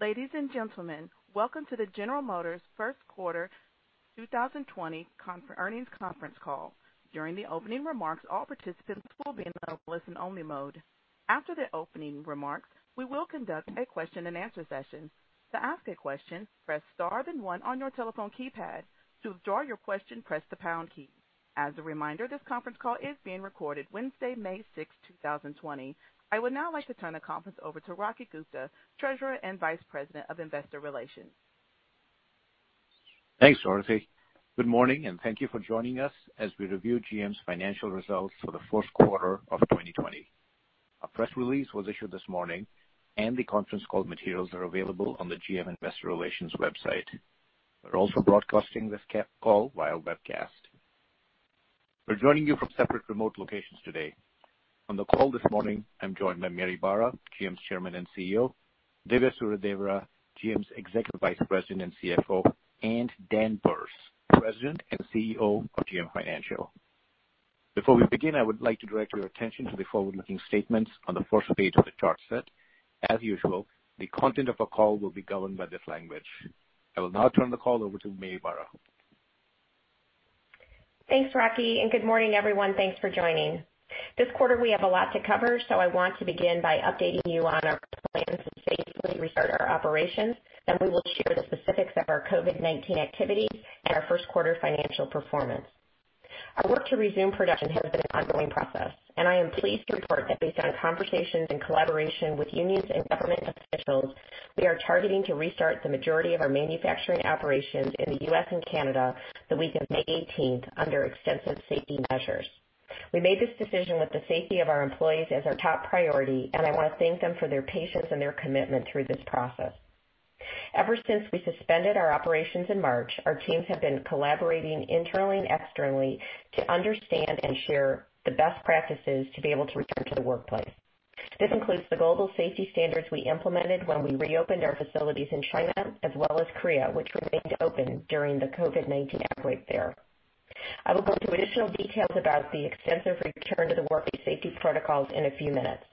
Ladies and gentlemen, welcome to the General Motors first quarter 2020 earnings conference call. During the opening remarks, all participants will be in listen-only mode. After the opening remarks, we will conduct a question-and-answer session. To ask a question, press star then one on your telephone keypad. To withdraw your question, press the pound key. As a reminder, this conference call is being recorded Wednesday, May 6, 2020. I would now like to turn the conference over to Rocky Gupta, Treasurer and Vice President of Investor Relations. Thanks, Dorothy. Good morning, and thank you for joining us as we review GM's financial results for the first quarter of 2020. A press release was issued this morning, and the conference call materials are available on the GM Investor Relations website. We're also broadcasting this call via webcast. We're joining you from separate remote locations today. On the call this morning, I'm joined by Mary Barra, GM's Chairman and CEO, Dhivya Suryadevara, GM's Executive Vice President and CFO, and Dan Berce, President and CEO of GM Financial. Before we begin, I would like to direct your attention to the forward-looking statements on the first page of the chart set. As usual, the content of our call will be governed by this language. I will now turn the call over to Mary Barra. Thanks, Rocky. Good morning, everyone. Thanks for joining. This quarter we have a lot to cover. I want to begin by updating you on our plans to safely restart our operations. We will share the specifics of our COVID-19 activities and our first quarter financial performance. Our work to resume production has been an ongoing process. I am pleased to report that based on conversations and collaboration with unions and government officials, we are targeting to restart the majority of our manufacturing operations in the U.S. and Canada the week of May 18th under extensive safety measures. We made this decision with the safety of our employees as our top priority. I want to thank them for their patience and their commitment through this process. Ever since we suspended our operations in March, our teams have been collaborating internally and externally to understand and share the best practices to be able to return to the workplace. This includes the global safety standards we implemented when we reopened our facilities in China as well as Korea, which remained open during the COVID-19 outbreak there. I will go through additional details about the extensive return to the workplace safety protocols in a few minutes.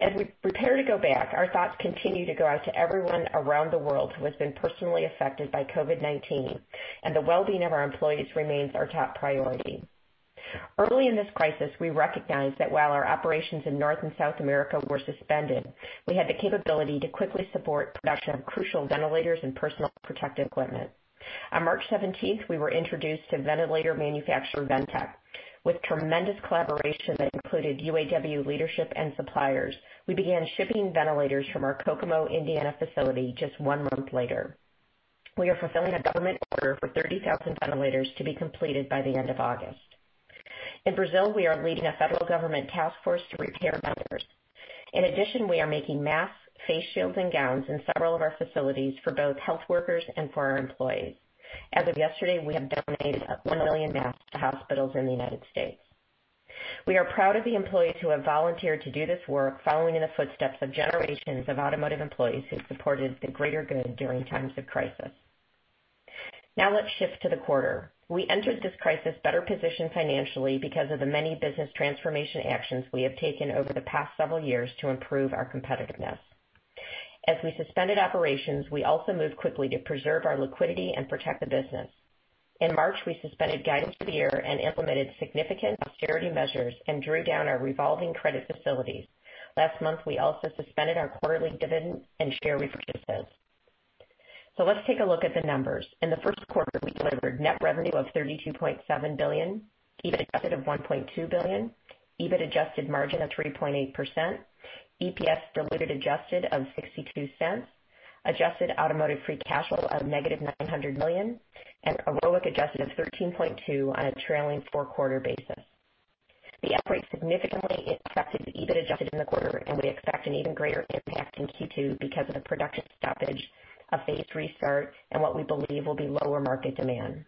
As we prepare to go back, our thoughts continue to go out to everyone around the world who has been personally affected by COVID-19, and the well-being of our employees remains our top priority. Early in this crisis, we recognized that while our operations in North and South America were suspended, we had the capability to quickly support production of crucial ventilators and personal protective equipment. On March 17th, we were introduced to ventilator manufacturer Ventec. With tremendous collaboration that included UAW leadership and suppliers, we began shipping ventilators from our Kokomo, Indiana facility just one month later. We are fulfilling a government order for 30,000 ventilators to be completed by the end of August. In Brazil, we are leading a federal government task force to repair ventilators. In addition, we are making masks, face shields, and gowns in several of our facilities for both health workers and for our employees. As of yesterday, we have donated 1 million masks to hospitals in the United States. We are proud of the employees who have volunteered to do this work following in the footsteps of generations of automotive employees who supported the greater good during times of crisis. Now let's shift to the quarter. We entered this crisis better positioned financially because of the many business transformation actions we have taken over the past several years to improve our competitiveness. As we suspended operations, we also moved quickly to preserve our liquidity and protect the business. In March, we suspended guidance for the year and implemented significant austerity measures and drew down our revolving credit facilities. Last month, we also suspended our quarterly dividend and share repurchases. Let's take a look at the numbers. In the first quarter, we delivered net revenue of $32.7 billion, EBIT adjusted of $1.2 billion, EBIT adjusted margin of 3.8%, EPS diluted adjusted of $0.62, adjusted automotive free cash flow of -$900 million, and a ROIC adjusted of 13.2% on a trailing four-quarter basis. The outbreak significantly affected the EBIT adjusted in the quarter. We expect an even greater impact in Q2 because of the production stoppage, a phased restart, and what we believe will be lower market demand.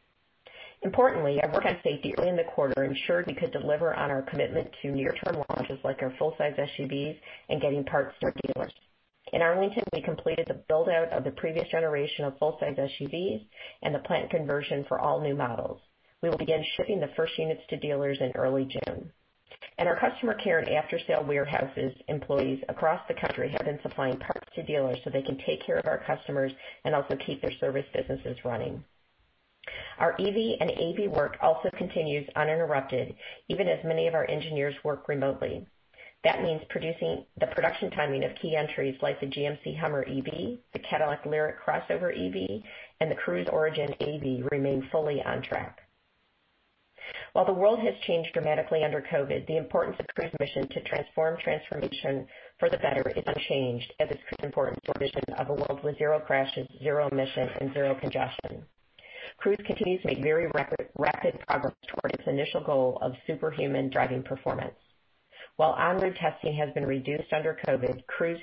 Importantly, our work on safety early in the quarter ensured we could deliver on our commitment to near-term launches like our full-size SUVs and getting parts to our dealers. In Arlington, we completed the build-out of the previous generation of full-size SUVs and the plant conversion for all new models. We will begin shipping the first units to dealers in early June. Our customer care and after-sale warehouses employees across the country have been supplying parts to dealers so they can take care of our customers and also keep their service businesses running. Our EV and AV work also continues uninterrupted, even as many of our engineers work remotely. That means the production timing of key entries like the GMC HUMMER EV, the Cadillac LYRIQ crossover EV, and the Cruise Origin AV remain fully on track. While the world has changed dramatically under COVID-19, the importance of Cruise mission to transform transportation for the better is unchanged as is Cruise's importance to our vision of a world with zero crashes, zero emissions, and zero congestion. Cruise continues to make very rapid progress toward its initial goal of superhuman driving performance. While on-road testing has been reduced under COVID-19, Cruise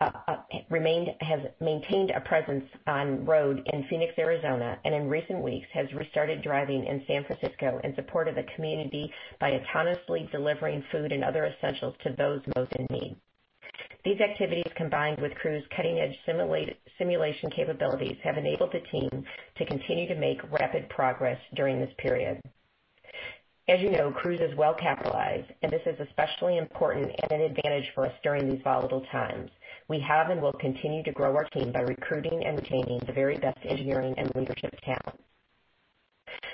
has maintained a presence on road in Phoenix, Arizona, and in recent weeks has restarted driving in San Francisco in support of the community by autonomously delivering food and other essentials to those most in need. These activities, combined with Cruise cutting-edge simulation capabilities, have enabled the team to continue to make rapid progress during this period. As you know, Cruise is well capitalized, and this is especially important and an advantage for us during these volatile times. We have and will continue to grow our team by recruiting and retaining the very best engineering and leadership talent.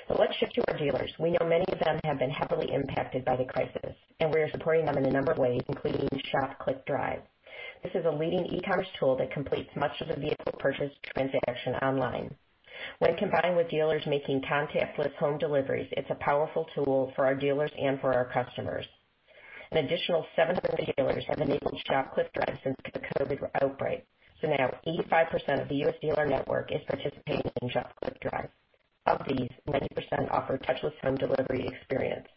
Let's shift to our dealers. We know many of them have been heavily impacted by the crisis, and we are supporting them in a number of ways, including Shop-Click-Drive. This is a leading e-commerce tool that completes much of the vehicle purchase transaction online. When combined with dealers making contactless home deliveries, it's a powerful tool for our dealers and for our customers. An additional 700 dealers have enabled Shop-Click-Drive since the COVID outbreak, so now 85% of the U.S. dealer network is participating in Shop-Click-Drive. Of these, 90% offer touchless home delivery experience.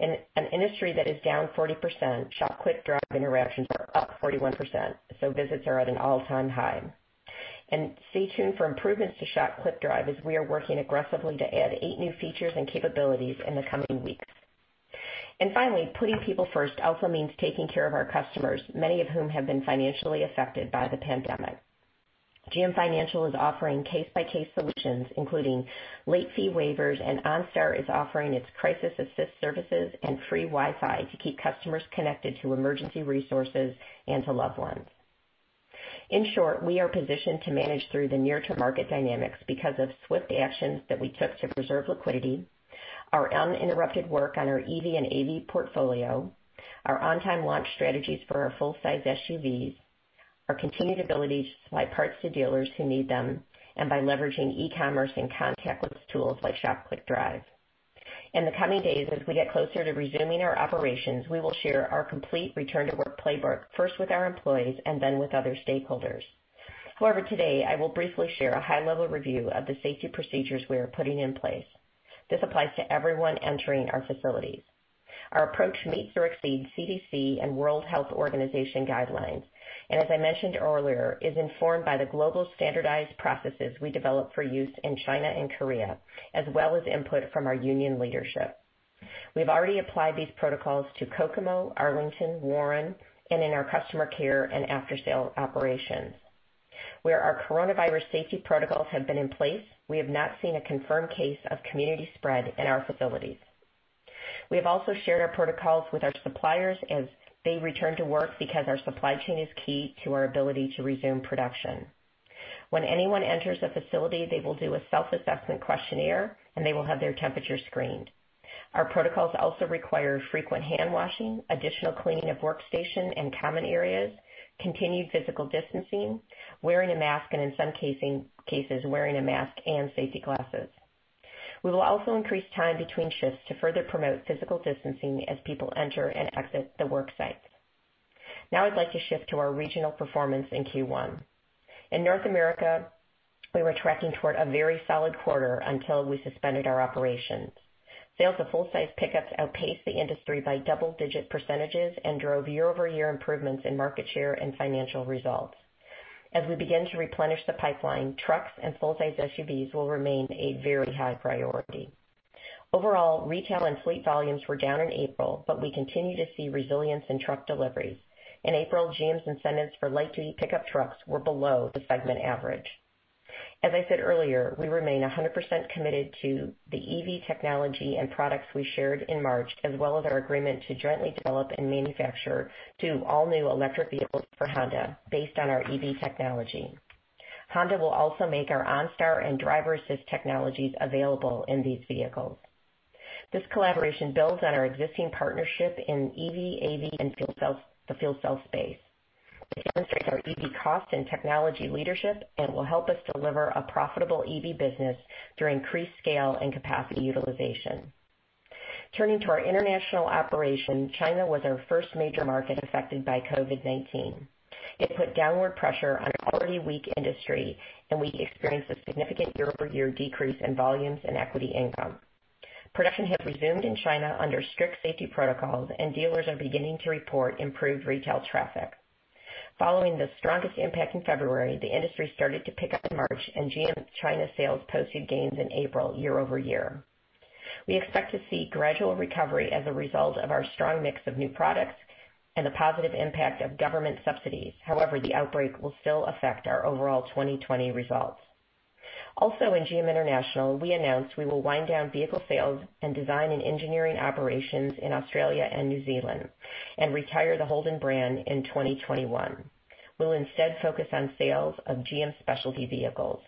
In an industry that is down 40%, Shop-Click-Drive interactions are up 41%, so visits are at an all-time high. Stay tuned for improvements to Shop-Click-Drive, as we are working aggressively to add eight new features and capabilities in the coming weeks. Finally, putting people first also means taking care of our customers, many of whom have been financially affected by the pandemic. GM Financial is offering case-by-case solutions, including late fee waivers, and OnStar is offering its crisis assist services and free Wi-Fi to keep customers connected to emergency resources and to loved ones. In short, we are positioned to manage through the near-term market dynamics because of swift actions that we took to preserve liquidity, our uninterrupted work on our EV and AV portfolio, our on-time launch strategies for our full-size SUVs, our continued ability to supply parts to dealers who need them, and by leveraging e-commerce and contactless tools like Shop-Click-Drive. In the coming days, as we get closer to resuming our operations, we will share our complete return-to-work playbook, first with our employees and then with other stakeholders. Today, I will briefly share a high-level review of the safety procedures we are putting in place. This applies to everyone entering our facilities. Our approach meets or exceeds CDC and World Health Organization guidelines, and as I mentioned earlier, is informed by the global standardized processes we developed for use in China and Korea, as well as input from our union leadership. We've already applied these protocols to Kokomo, Arlington, Warren, and in our customer care and after-sale operations. Where our coronavirus safety protocols have been in place, we have not seen a confirmed case of community spread in our facilities. We have also shared our protocols with our suppliers as they return to work because our supply chain is key to our ability to resume production. When anyone enters a facility, they will do a self-assessment questionnaire, and they will have their temperature screened. Our protocols also require frequent hand washing, additional cleaning of workstation and common areas, continued physical distancing, wearing a mask, and in some cases, wearing a mask and safety glasses. We will also increase time between shifts to further promote physical distancing as people enter and exit the work site. Now I'd like to shift to our regional performance in Q1. In North America, we were tracking toward a very solid quarter until we suspended our operations. Sales of full-size pickups outpaced the industry by double-digit percentages and drove year-over-year improvements in market share and financial results. As we begin to replenish the pipeline, trucks and full-size SUVs will remain a very high priority. Overall, retail and fleet volumes were down in April, we continue to see resilience in truck deliveries. In April, GM's incentives for light-duty pickup trucks were below the segment average. As I said earlier, we remain 100% committed to the EV technology and products we shared in March, as well as our agreement to jointly develop and manufacture two all-new electric vehicles for Honda based on our EV technology. Honda will also make our OnStar and driver-assist technologies available in these vehicles. This collaboration builds on our existing partnership in EV, AV, and the fuel cell space. It demonstrates our EV cost and technology leadership and will help us deliver a profitable EV business through increased scale and capacity utilization. Turning to our international operation, China was our first major market affected by COVID-19. It put downward pressure on an already weak industry, and we experienced a significant year-over-year decrease in volumes and equity income. Production has resumed in China under strict safety protocols, and dealers are beginning to report improved retail traffic. Following the strongest impact in February, the industry started to pick up in March, and GM China sales posted gains in April year-over-year. We expect to see gradual recovery as a result of our strong mix of new products and the positive impact of government subsidies. However, the outbreak will still affect our overall 2020 results. Also in GM International, we announced we will wind down vehicle sales and design and engineering operations in Australia and New Zealand and retire the Holden brand in 2021. We'll instead focus on sales of GM specialty vehicles.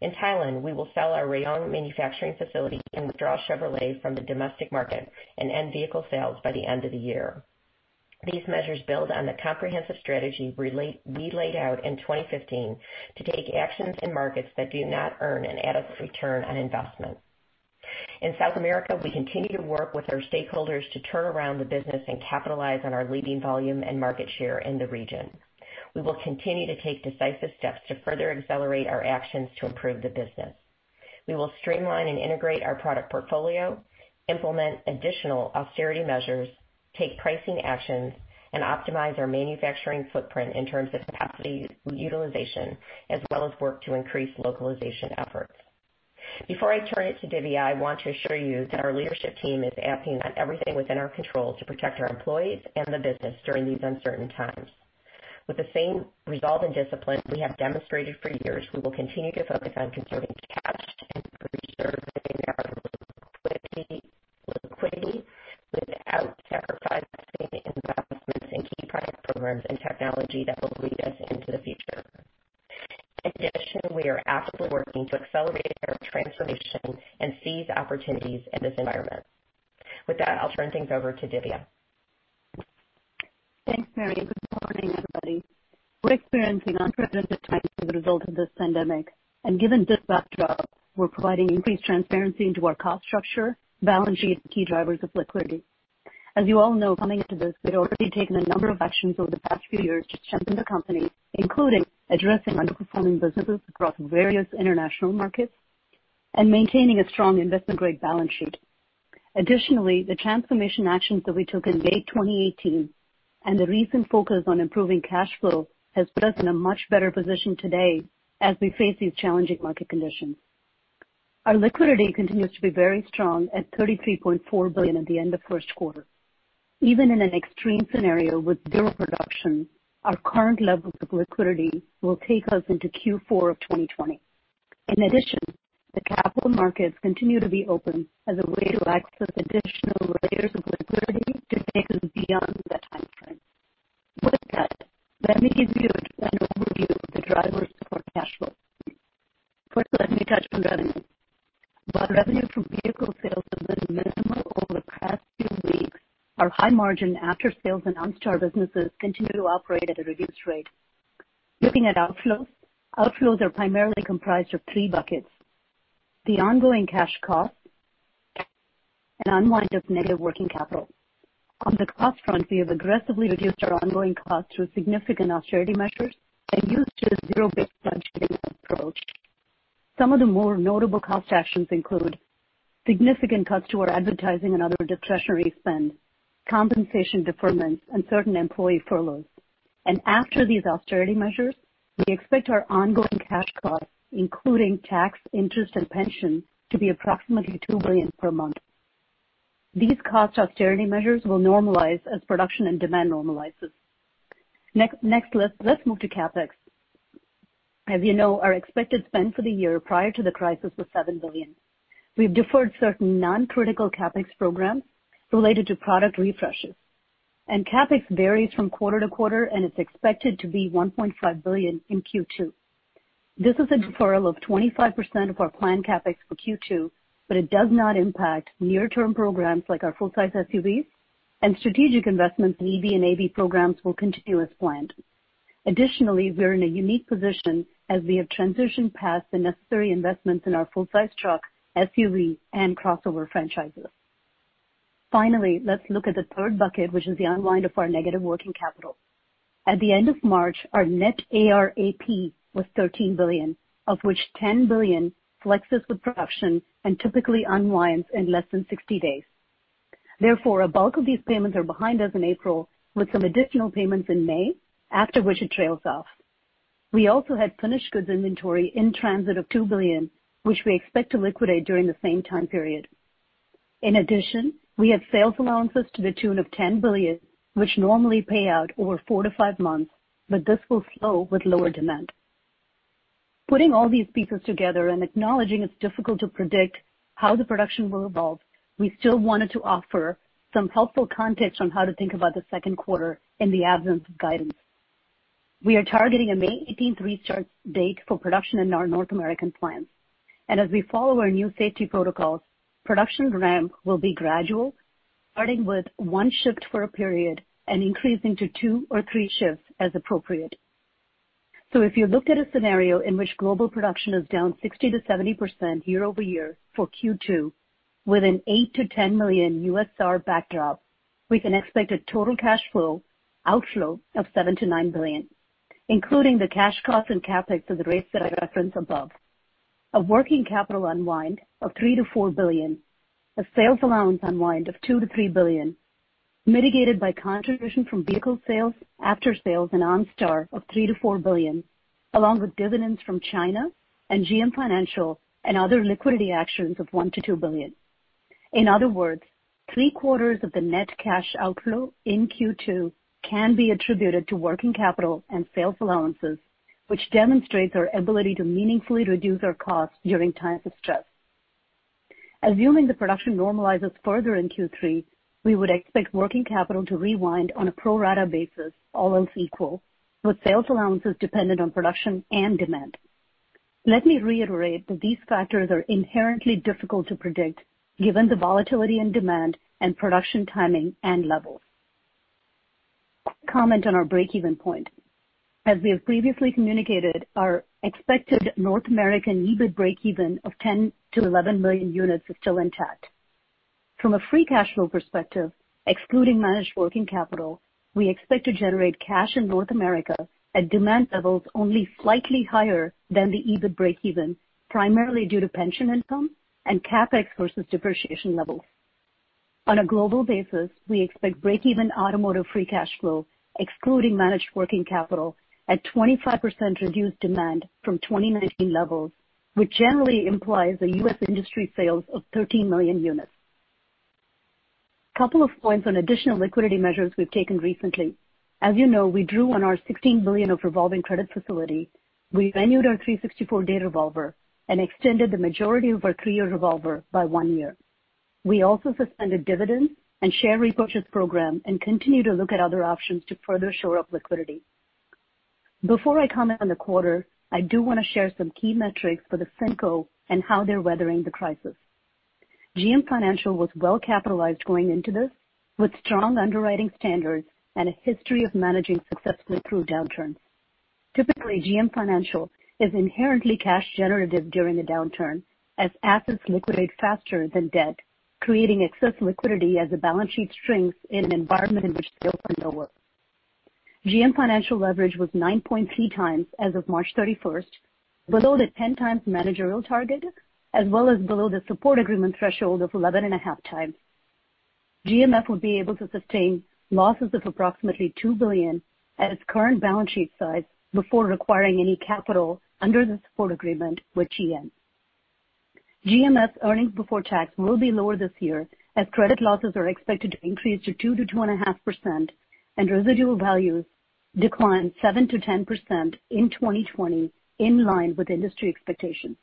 In Thailand, we will sell our Rayong manufacturing facility and withdraw Chevrolet from the domestic market and end vehicle sales by the end of the year. These measures build on the comprehensive strategy we laid out in 2015 to take actions in markets that do not earn an adequate return on investment. In South America, we continue to work with our stakeholders to turn around the business and capitalize on our leading volume and market share in the region. We will continue to take decisive steps to further accelerate our actions to improve the business. We will streamline and integrate our product portfolio, implement additional austerity measures, take pricing actions, and optimize our manufacturing footprint in terms of capacity utilization, as well as work to increase localization efforts. Before I turn it to Dhivya, I want to assure you that our leadership team is acting on everything within our control to protect our employees and the business during these uncertain times. With the same resolve and discipline we have demonstrated for years, we will continue to focus on conserving cash and preserving our liquidity without sacrificing investments in key product programs and technology that will lead us into the future. In addition, we are actively working to accelerate our transformation and seize opportunities in this environment. With that, I'll turn things over to Dhivya. Thanks, Mary. Good morning, everybody. We're experiencing unprecedented times as a result of this pandemic, and given this backdrop, we're providing increased transparency into our cost structure, balance sheet, and key drivers of liquidity. As you all know, coming into this, we'd already taken a number of actions over the past few years to strengthen the company, including addressing underperforming businesses across various international markets and maintaining a strong investment-grade balance sheet. Additionally, the transformation actions that we took in May 2018 and the recent focus on improving cash flow has put us in a much better position today as we face these challenging market conditions. Our liquidity continues to be very strong at $33.4 billion at the end of the first quarter. Even in an extreme scenario with zero production, our current levels of liquidity will take us into Q4 of 2020. In addition, the capital markets continue to be open as a way to access additional layers of liquidity to take us beyond that timeframe. With that, let me give you an overview of the drivers for cash flow. First, let me touch on revenue. While revenue from vehicle sales has been minimal over the past few weeks, our high margin after sales and OnStar businesses continue to operate at a reduced rate. Looking at outflows. Outflows are primarily comprised of three buckets, the ongoing cash cost and unwind of negative working capital. On the cost front, we have aggressively reduced our ongoing costs through significant austerity measures and used a zero-based budgeting approach. Some of the more notable cost actions include significant cuts to our advertising and other discretionary spend, compensation deferments, and certain employee furloughs. After these austerity measures, we expect our ongoing cash costs, including tax, interest, and pension, to be approximately $2 billion per month. These cost austerity measures will normalize as production and demand normalizes. Next, let's move to CapEx. As you know, our expected spend for the year prior to the crisis was $7 billion. We've deferred certain non-critical CapEx programs related to product refreshes. CapEx varies from quarter to quarter and is expected to be $1.5 billion in Q2. This is a deferral of 25% of our planned CapEx for Q2, but it does not impact near-term programs like our full-size SUVs and strategic investments in EV and AV programs will continue as planned. Additionally, we're in a unique position as we have transitioned past the necessary investments in our full-size truck, SUV, and crossover franchises. Finally, let's look at the third bucket, which is the unwind of our negative working capital. At the end of March, our net AR/AP was $13 billion, of which $10 billion flexes with production and typically unwinds in less than 60 days. A bulk of these payments are behind us in April, with some additional payments in May, after which it trails off. We also had finished goods inventory in transit of $2 billion, which we expect to liquidate during the same time period. We have sales allowances to the tune of $10 billion, which normally pay out over four to five months, but this will slow with lower demand. Putting all these pieces together, acknowledging it's difficult to predict how the production will evolve, we still wanted to offer some helpful context on how to think about the second quarter in the absence of guidance. We are targeting a May 18th restart date for production in our North American plants. As we follow our new safety protocols, production ramp will be gradual, starting with one shift for a period and increasing to two or three shifts as appropriate. If you looked at a scenario in which global production is down 60%-70% year-over-year for Q2 with an 8 million-10 million U.S. SAR backdrop, we can expect a total cash flow outflow of $7 billion-$9 billion, including the cash cost and CapEx at the rates that I referenced above. A working capital unwind of $3 billion-$4 billion. A sales allowance unwind of $2 billion-$3 billion, mitigated by contribution from vehicle sales, after-sales and OnStar of $3 billion-$4 billion, along with dividends from China and GM Financial and other liquidity actions of $1 billion-$2 billion. In other words, three-quarters of the net cash outflow in Q2 can be attributed to working capital and sales allowances, which demonstrates our ability to meaningfully reduce our costs during times of stress. Assuming the production normalizes further in Q3, we would expect working capital to rewind on a pro rata basis, all else equal, with sales allowances dependent on production and demand. Let me reiterate that these factors are inherently difficult to predict given the volatility in demand and production timing and levels. Comment on our breakeven point. As we have previously communicated, our expected North American EBIT breakeven of 10 million-11 million units is still intact. From a free cash flow perspective, excluding managed working capital, we expect to generate cash in North America at demand levels only slightly higher than the EBIT breakeven, primarily due to pension income and CapEx versus depreciation levels. On a global basis, we expect breakeven automotive free cash flow, excluding managed working capital, at 25% reduced demand from 2019 levels, which generally implies a U.S. industry sales of 13 million units. Couple of points on additional liquidity measures we've taken recently. As you know, we drew on our $16 billion of revolving credit facility. We renewed our 364-day revolver and extended the majority of our three-year revolver by one year. We also suspended dividend and share repurchase program and continue to look at other options to further shore up liquidity. Before I comment on the quarter, I do want to share some key metrics for the FinCo and how they're weathering the crisis. GM Financial was well-capitalized going into this, with strong underwriting standards and a history of managing successfully through downturns. Typically, GM Financial is inherently cash generative during a downturn as assets liquidate faster than debt, creating excess liquidity as a balance sheet strength in an environment in which sales are lower. GM Financial leverage was 9.3x as of March 31st, below the 10x managerial target, as well as below the support agreement threshold of 11.5x. GMF will be able to sustain losses of approximately $2 billion at its current balance sheet size before requiring any capital under the support agreement with GM. GMF's earnings before tax will be lower this year, as credit losses are expected to increase to 2%-2.5% and residual values decline 7%-10% in 2020, in line with industry expectations.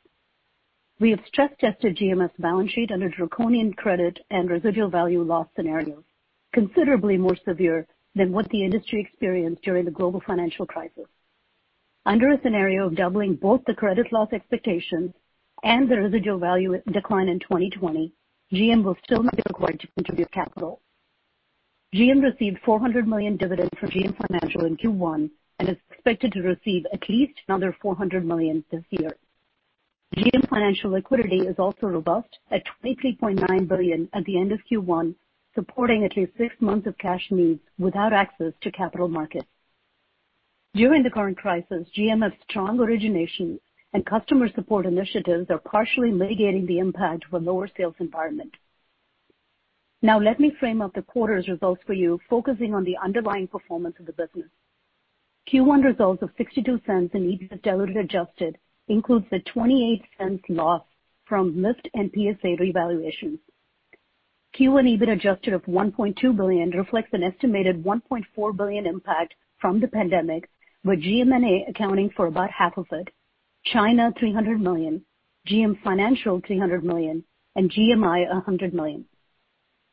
We have stress-tested GMF's balance sheet under draconian credit and residual value loss scenarios, considerably more severe than what the industry experienced during the global financial crisis. Under a scenario of doubling both the credit loss expectations and the residual value decline in 2020, GM will still not be required to contribute capital. GM received $400 million dividend from GM Financial in Q1 and is expected to receive at least another $400 million this year. GM Financial liquidity is also robust at $23.9 billion at the end of Q1, supporting at least six months of cash needs without access to capital markets. During the current crisis, GMF's strong origination and customer support initiatives are partially mitigating the impact of a lower sales environment. Now let me frame up the quarter's results for you, focusing on the underlying performance of the business. Q1 results of $0.62 in EBIT adjusted includes the $0.28 loss from Lyft and PSA revaluation. Q1 EBIT adjusted of $1.2 billion reflects an estimated $1.4 billion impact from the pandemic, with GMNA accounting for about half of it, China $300 million, GM Financial $300 million and GMI $100 million.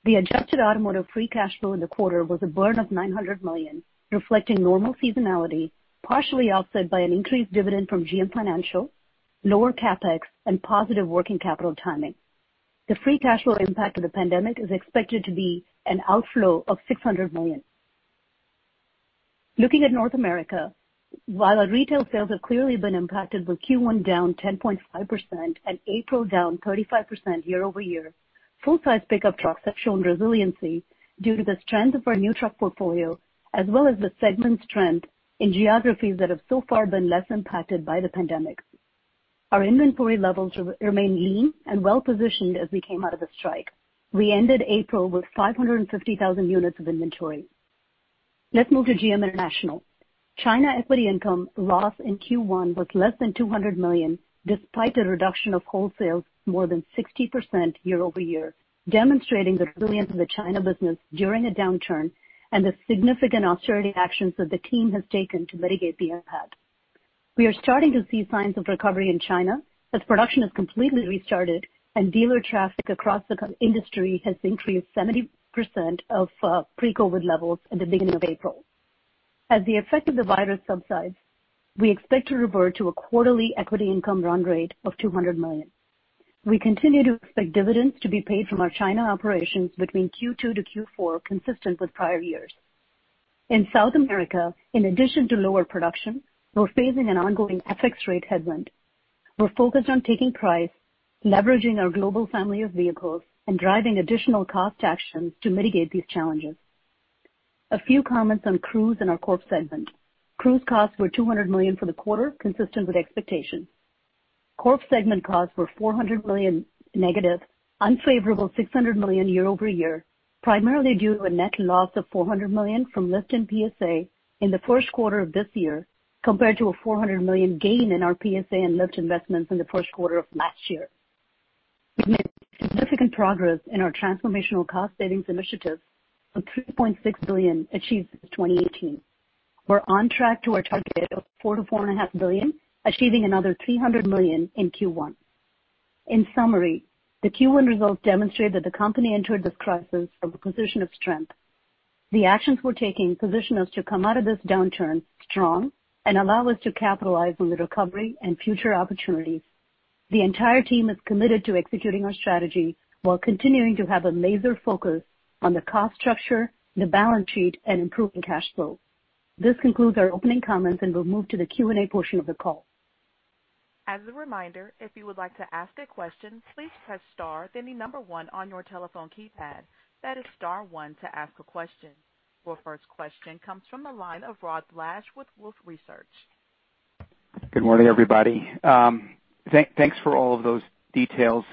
The adjusted automotive free cash flow in the quarter was a burn of $900 million, reflecting normal seasonality, partially offset by an increased dividend from GM Financial, lower CapEx, and positive working capital timing. The free cash flow impact of the pandemic is expected to be an outflow of $600 million. Looking at North America, while our retail sales have clearly been impacted with Q1 down 10.5% and April down 35% year-over-year, full-size pickup trucks have shown resiliency due to the strength of our new truck portfolio, as well as the segment's trend in geographies that have so far been less impacted by the pandemic. Our inventory levels remain lean and well-positioned as we came out of the strike. We ended April with 550,000 units of inventory. Let's move to GM International. China equity income loss in Q1 was less than $200 million, despite a reduction of wholesales more than 60% year-over-year, demonstrating the resilience of the China business during a downturn and the significant austerity actions that the team has taken to mitigate the impact. We are starting to see signs of recovery in China, as production has completely restarted and dealer traffic across the industry has increased 70% of pre-COVID-19 levels at the beginning of April. As the effect of the virus subsides, we expect to revert to a quarterly equity income run rate of $200 million. We continue to expect dividends to be paid from our China operations between Q2 to Q4, consistent with prior years. In South America, in addition to lower production, we're facing an ongoing FX rate headwind. We're focused on taking price, leveraging our global family of vehicles, and driving additional cost actions to mitigate these challenges. A few comments on Cruise and our Corp segment. Cruise costs were $200 million for the quarter, consistent with expectations. Corp segment costs were -$400 million, unfavorable $600 million year-over-year, primarily due to a net loss of $400 million from Lyft and PSA in the first quarter of this year, compared to a $400 million gain in our PSA and Lyft investments in the first quarter of last year. We've made significant progress in our transformational cost savings initiatives of $3.6 billion achieved since 2018. We're on track to our target of $4 billion-$4.5 billion, achieving another $300 million in Q1. In summary, the Q1 results demonstrate that the company entered this crisis from a position of strength. The actions we're taking position us to come out of this downturn strong and allow us to capitalize on the recovery and future opportunities. The entire team is committed to executing our strategy while continuing to have a laser focus on the cost structure, the balance sheet, and improving cash flow. This concludes our opening comments. We'll move to the Q&A portion of the call. As a reminder, if you would like to ask a question, please press star, then the number one on your telephone keypad. That is star one to ask a question. Our first question comes from the line of Rod Lache with Wolfe Research. Good morning, everybody. Thanks for all of those details.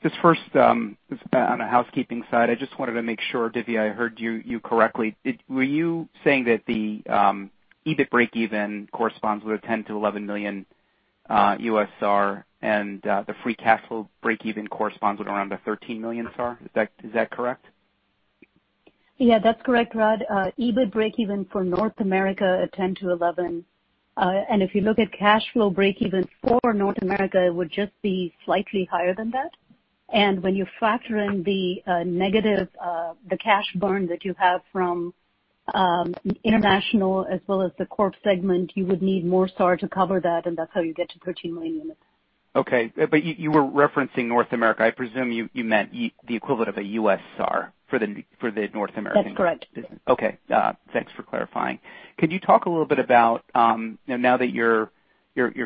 Just first, on a housekeeping side, I just wanted to make sure, Dhivya, I heard you correctly. Were you saying that the EBIT breakeven corresponds with a 10 million-11 million U.S. SAR, the free cash flow breakeven corresponds with around the 13 million SAR. Is that correct? Yeah, that's correct, Rod. EBIT breakeven for North America at $10 million-$11 million. If you look at cash flow breakeven for North America, it would just be slightly higher than that. When you factor in the negative, the cash burn that you have from International as well as the Corporate segment, you would need more SAR to cover that, and that's how you get to 13 million units. Okay. You were referencing North America. I presume you meant the equivalent of a U.S. SAR for the North American business. That's correct. Okay. Thanks for clarifying. Could you talk a little bit about, now that you're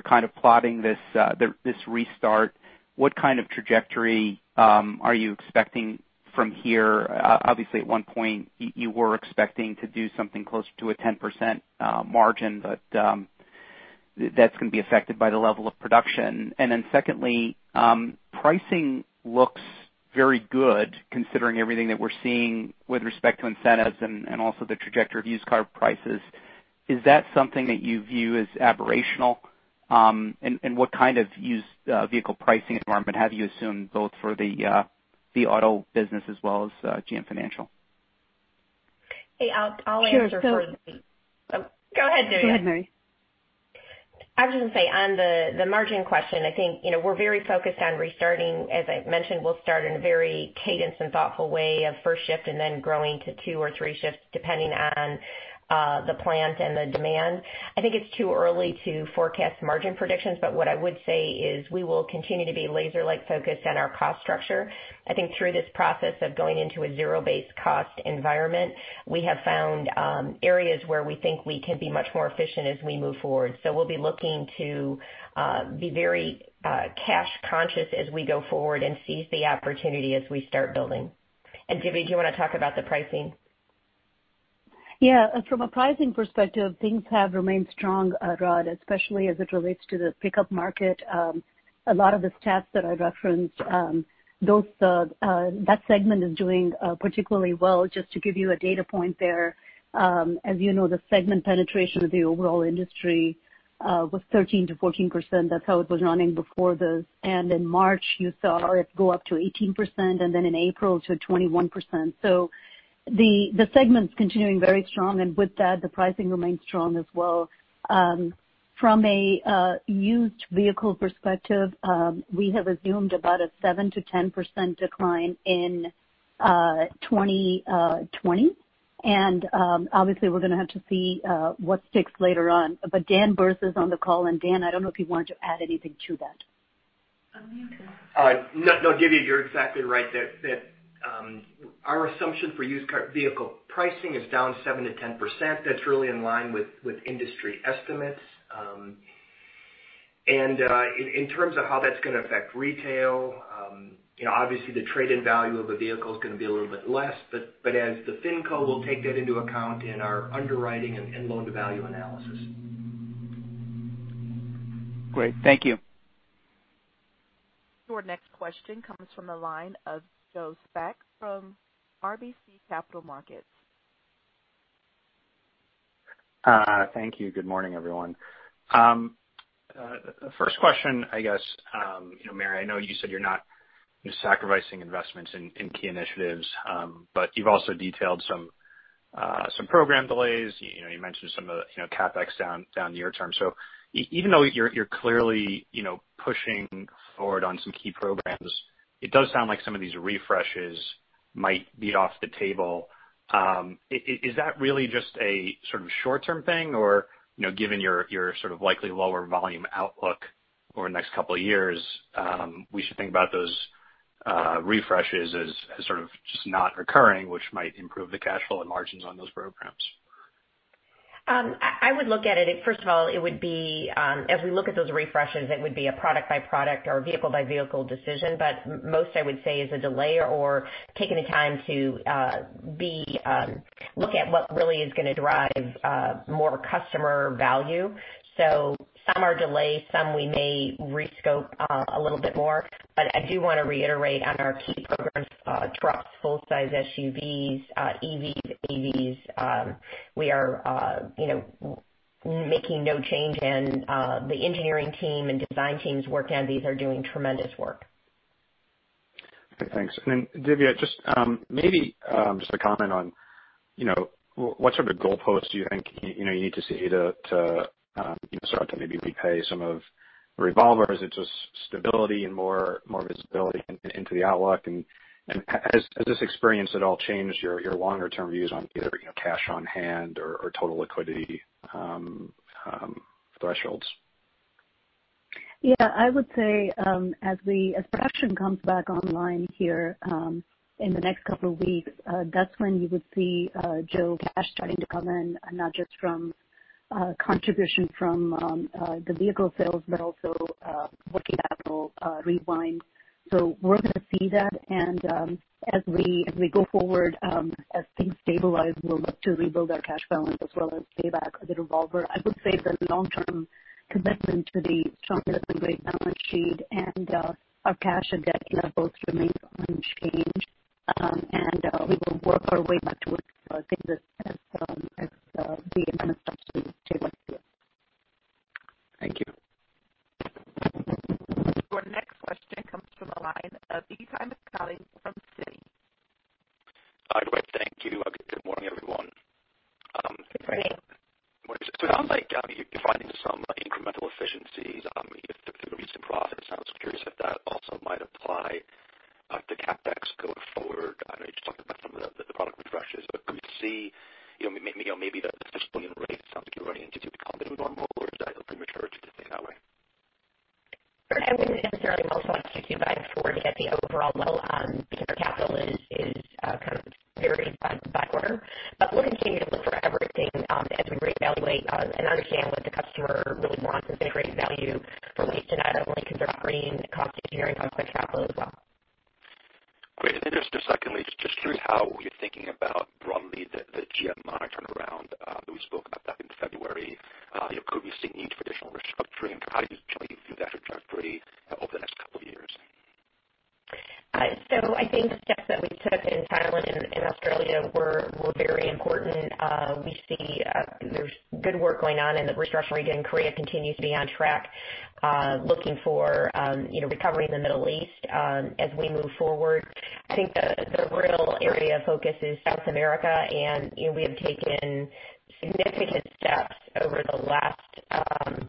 kind of plotting this restart, what kind of trajectory are you expecting from here? Obviously, at one point, you were expecting to do something closer to a 10% margin, that's going to be affected by the level of production. Secondly, pricing looks very good considering everything that we're seeing with respect to incentives and also the trajectory of used car prices. Is that something that you view as aberrational? What kind of used vehicle pricing environment have you assumed both for the auto business as well as GM Financial? Hey, I'll answer. Sure. Oh, go ahead, Dhivya. Go ahead, Mary. I was going to say on the margin question, I think, we're very focused on restarting. As I mentioned, we'll start in a very cadence and thoughtful way of first shift and then growing to two or three shifts depending on the plant and the demand. I think it's too early to forecast margin predictions, but what I would say is we will continue to be laser-like focused on our cost structure. I think through this process of going into a zero-based cost environment, we have found areas where we think we can be much more efficient as we move forward. We'll be looking to be very cash conscious as we go forward and seize the opportunity as we start building. Dhivya, do you want to talk about the pricing? Yeah. From a pricing perspective, things have remained strong, Rod, especially as it relates to the pickup market. A lot of the stats that I referenced, that segment is doing particularly well. Just to give you a data point there, as you know, the segment penetration of the overall industry, was 13%-14%. That's how it was running before this. In March, you saw it go up to 18%, then in April to 21%. The segment's continuing very strong, and with that, the pricing remains strong as well. From a used vehicle perspective, we have assumed about a 7%-10% decline in 2020. Obviously, we're going to have to see what sticks later on. Dan Berce is on the call, and Dan, I don't know if you wanted to add anything to that. Oh, you can. No, Dhivya, you're exactly right. Our assumption for used car vehicle pricing is down 7%-10%. That's really in line with industry estimates. In terms of how that's going to affect retail, obviously the trade-in value of a vehicle is going to be a little bit less. As the fin co, we'll take that into account in our underwriting and loan-to-value analysis. Great. Thank you. Your next question comes from the line of Joe Spak from RBC Capital Markets. Thank you. Good morning, everyone. First question, I guess. Mary, I know you said you're not sacrificing investments in key initiatives, but you've also detailed some program delays. You mentioned some of the CapEx down near term. Even though you're clearly pushing forward on some key programs, it does sound like some of these refreshes might be off the table. Is that really just a sort of short-term thing? Given your sort of likely lower volume outlook over the next couple of years, we should think about those refreshes as sort of just not recurring, which might improve the cash flow and margins on those programs? I would look at it, first of all, as we look at those refreshes, it would be a product-by-product or vehicle-by-vehicle decision. Most, I would say, is a delay or taking the time to look at what really is going to drive more customer value. Some are delays, some we may rescope a little bit more. I do want to reiterate on our key programs, trucks, full-size SUVs, EVs, AVs, we are making no change, and the engineering team and design teams working on these are doing tremendous work. Okay, thanks. Then Dhivya, maybe just a comment on what sort of goalposts do you think you need to see to start to maybe repay some of the revolvers? Is it just stability and more visibility into the outlook? Has this experience at all changed your longer-term views on either cash on hand or total liquidity thresholds? Yeah, I would say, as production comes back online here in the next couple of weeks, that's when you would see, Joe, cash starting to come in, not just from contribution from the vehicle sales, but also working capital rewinds. We're going to see that. As we go forward, as things stabilize, we'll look to rebuild our cash balance as well as pay back the revolver. I would say the long-term commitment to the strongest and great balance sheet and our cash and debt both remain unchanged. We will work our way back towards business as the industry picture is clear. Thank you. Your next question comes from the line of Itay Michaeli from Citi. Hi, great. Thank you. Good morning, everyone. Good morning. It sounds like you're finding some incremental efficiencies through the recent profits. I was curious if that also might apply to CapEx going forward. I know you just talked about some of the product refreshes, but could we see maybe the $6 billion rate? It sounds like you're running to be competitive or more, or is that open return to stay that way? I wouldn't necessarily multiply Q2 by four to get the overall level, because our capital is kind of varied by quarter. We'll continue to look for everything as we reevaluate and understand what the customer really wants and if they're creating value for us tonight when we consider bringing cost engineering down to our capital as well. Great. Then just secondly, just curious how you're thinking about broadly the GM monitoring around, that we spoke about back in February. Could we see any traditional restructuring? How do you see that trajectory over the next couple of years? I think the steps that we took in Thailand and Australia were very important. We see there's good work going on in the restructuring in Korea continues to be on track, looking for recovery in the Middle East as we move forward. I think the real area of focus is South America, and we have taken significant steps over the last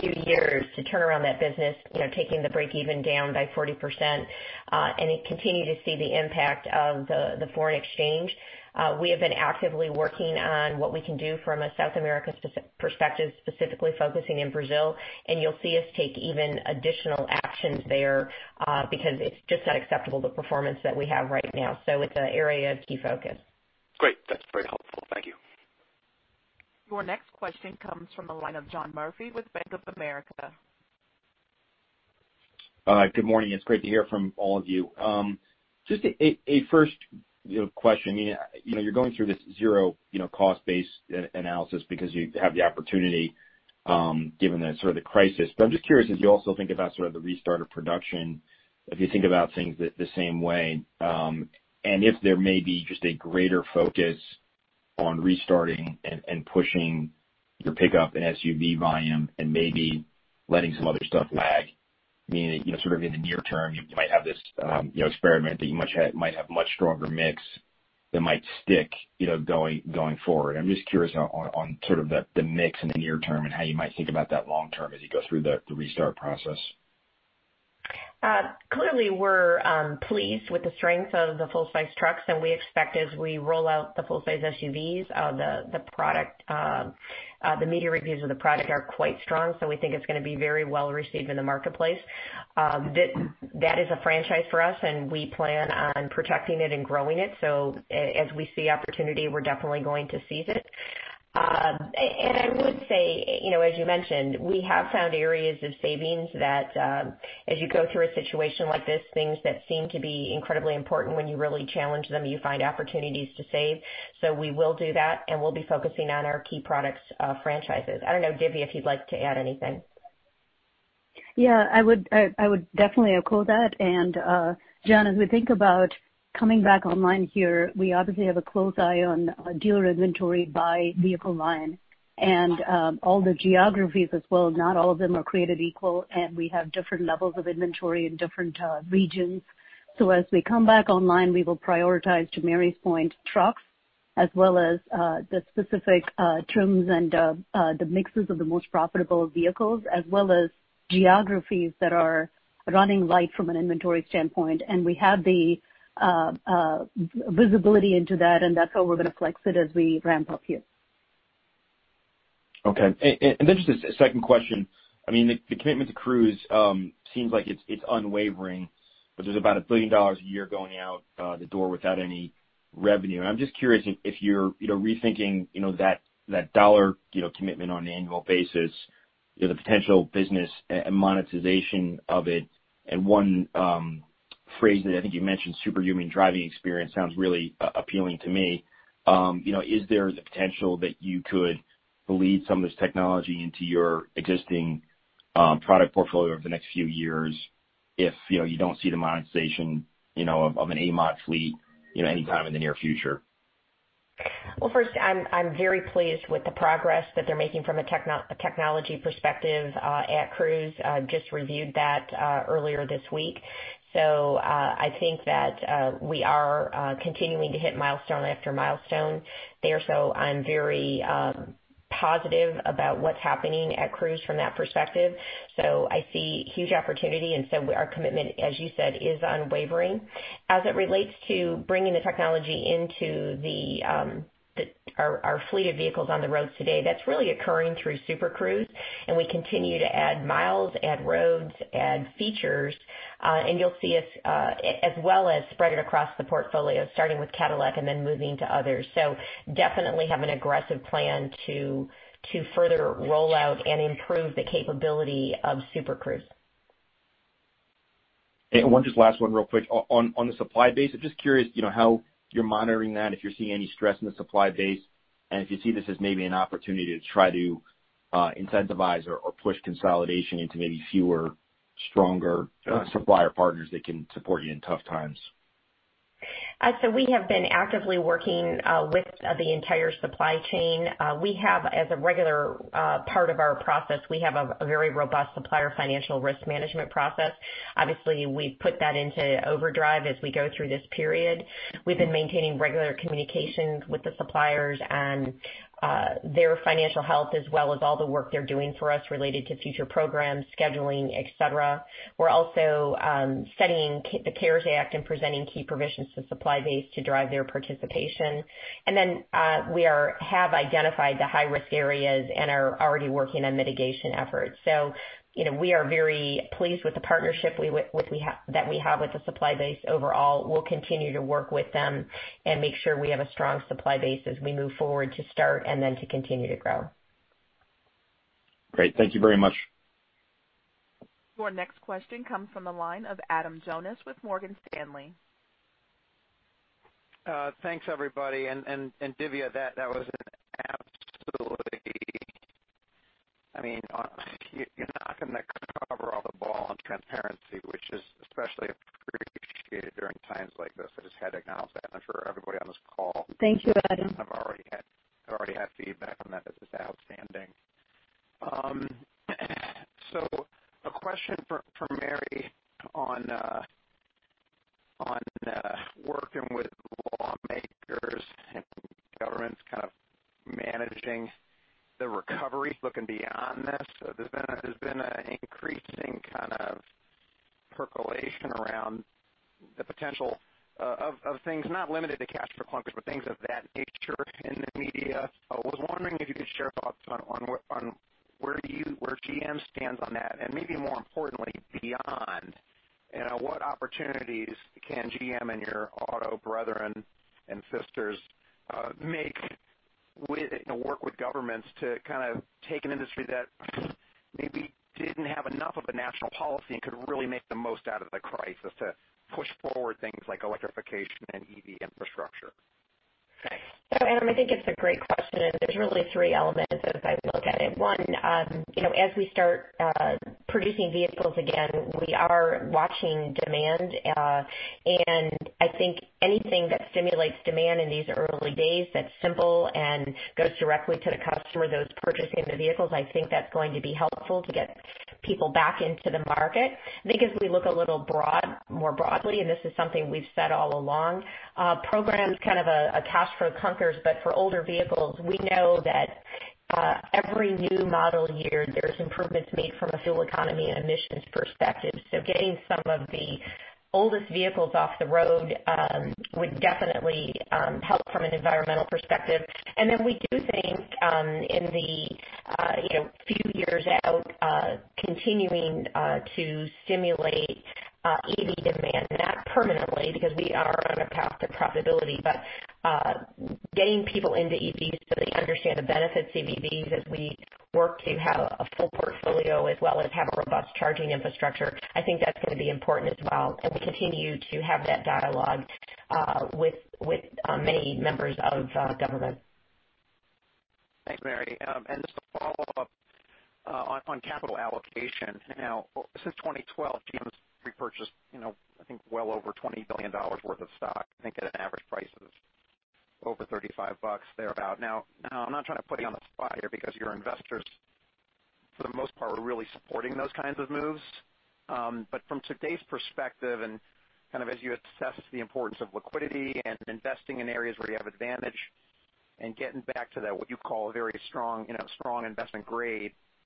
few years to turn around that business, taking the break-even down by 40%, and we continue to see the impact of the foreign exchange. We have been actively working on what we can do from a South America perspective, specifically focusing in Brazil. You'll see us take even additional actions there, because it's just not acceptable the performance that we have right now. It's an area of key focus. Great. That's very helpful. Thank you. Your next question comes from the line of John Murphy with Bank of America. Good morning. It's great to hear from all of you. Just a first question. You're going through this zero cost-based analysis because you have the opportunity, given the sort of the crisis. I'm just curious if you also think about sort of the restart of production, if you think about things the same way, and if there may be just a greater focus on restarting and pushing your pickup and SUV volume and maybe letting some other stuff lag, meaning, sort of in the near term, you might have this experiment that you might have much stronger mix that might stick going forward. I'm just curious on sort of the mix in the near term and how you might think about that long term as you go through the restart process. Clearly, we're pleased with the strength of the full-size trucks, and we expect as we roll out the full-size SUVs, the media reviews of the product are quite strong, so we think it's going to be very well received in the marketplace. That is a franchise for us, and we plan on protecting it and growing it. As we see opportunity, we're definitely going to seize it. I would say, as you mentioned, we have found areas of savings that, as you go through a situation like this, things that seem to be incredibly important when you really challenge them, you find opportunities to save. We will do that, and we'll be focusing on our key products franchises. I don't know, Dhivya, if you'd like to add anything. Yeah, I would definitely echo that. John, as we think about coming back online here, we obviously have a close eye on dealer inventory by vehicle line and all the geographies as well. Not all of them are created equal, and we have different levels of inventory in different regions. As we come back online, we will prioritize to Mary's point trucks as well as the specific trims and the mixes of the most profitable vehicles, as well as geographies that are running light from an inventory standpoint. We have the visibility into that, and that's how we're going to flex it as we ramp up here. Okay. Just a second question. The commitment to Cruise seems like it's unwavering, which is about $1 billion a year going out the door without any revenue. I'm just curious if you're rethinking that dollar commitment on an annual basis, the potential business and monetization of it. One phrase that I think you mentioned, superhuman driving experience, sounds really appealing to me. Is there the potential that you could lead some of this technology into your existing product portfolio over the next few years if you don't see the monetization of an autonomous fleet anytime in the near future? Well, first, I'm very pleased with the progress that they're making from a technology perspective at Cruise. Just reviewed that earlier this week. I think that we are continuing to hit milestone after milestone there. I'm very positive about what's happening at Cruise from that perspective. I see huge opportunity, our commitment, as you said, is unwavering. As it relates to bringing the technology into our fleet of vehicles on the roads today, that's really occurring through Super Cruise, and we continue to add miles, add roads, add features, and you'll see us as well as spread it across the portfolio, starting with Cadillac and then moving to others. Definitely have an aggressive plan to further roll out and improve the capability of Super Cruise. One just last one real quick. On the supply base, I'm just curious how you're monitoring that, if you're seeing any stress in the supply base, and if you see this as maybe an opportunity to try to incentivize or push consolidation into maybe fewer, stronger supplier partners that can support you in tough times? We have been actively working with the entire supply chain. We have, as a regular part of our process, we have a very robust supplier financial risk management process. Obviously, we've put that into overdrive as we go through this period. We've been maintaining regular communications with the suppliers and their financial health, as well as all the work they're doing for us related to future programs, scheduling, et cetera. We're also studying the CARES Act and presenting key provisions to the supply base to drive their participation. We have identified the high-risk areas and are already working on mitigation efforts. We are very pleased with the partnership that we have with the supply base overall. We'll continue to work with them and make sure we have a strong supply base as we move forward to start and then to continue to grow. Great. Thank you very much. Your next question comes from the line of Adam Jonas with Morgan Stanley. Thanks, everybody. Dhivya, You're knocking the cover off the ball on transparency, which is especially appreciated during times like this. I just had to acknowledge that. I'm sure everybody on this call- Thank you, Adam. Have already had feedback on that. That was outstanding. A question for Mary on working with lawmakers and governments kind of managing the recovery, looking beyond this. There's been an increasing kind of percolation around the potential of things, not limited to Cash for Clunkers, but things of that nature in the media. I was wondering if you could share thoughts on where GM stands on that. Maybe more importantly, beyond. What opportunities can GM and your auto brethren and sisters make with work with governments to kind of take an industry that maybe didn't have enough of a national policy and could really make the most out of the crisis to push forward things like electrification and EV infrastructure? Adam, I think it's a great question, and there's really three elements as I look at it. One, as we start producing vehicles again, we are watching demand. I think anything that stimulates demand in these early days that's simple and goes directly to the customer, those purchasing the vehicles, I think that's going to be helpful to get people back into the market. I think as we look a little more broadly, and this is something we've said all along, programs kind of a cash for clunkers, but for older vehicles. We know that every new model year, there's improvements made from a fuel economy and emissions perspective. Getting some of the oldest vehicles off the road would definitely help from an environmental perspective. We do think, in the few years out, continuing to stimulate EV demand. Not permanently, because we are on a path to profitability. Getting people into EVs so they understand the benefits of EVs as we work to have a full portfolio, as well as have a robust charging infrastructure, I think that's going to be important as well. We continue to have that dialogue with many members of government. Thanks, Mary. Just to follow up on capital allocation. Since 2012, GM has repurchased I think well over $20 billion worth of stock, I think at an average price of over $35, thereabout. I'm not trying to put you on the spot here because your investors, for the most part, were really supporting those kinds of moves. From today's perspective and kind of as you assess the importance of liquidity and investing in areas where you have advantage and getting back to that, what you call a very strong investment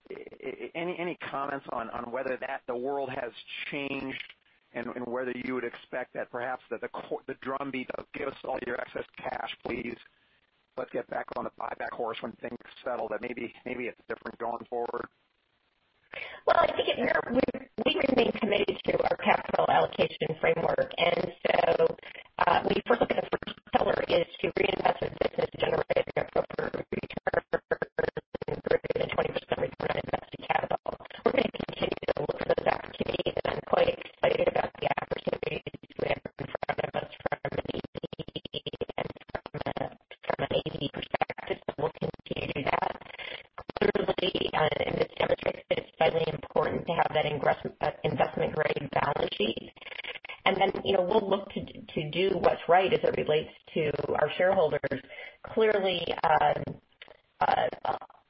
grade, any comments on whether that the world has changed and whether you would expect that perhaps the drumbeat of give us all your excess cash, please, let's get back on the buyback horse when things settle, that maybe it's different going forward? Well, I think we remain committed to our capital allocation framework. When you first look at the first pillar is to reinvest in business generating appropriate returns, greater than 20% return on invested capital. We're going to continue to look for those opportunities, and I'm quite excited about the opportunities we have in front of us from an EV and from an AV perspective. We'll continue to do that. Clearly, this demonstrates that it's fairly important to have that investment-grade balance sheet. We'll look to do what's right as it relates to our shareholders. Clearly,